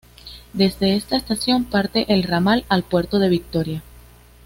Desde esta estación parte el ramal al puerto de Victoria.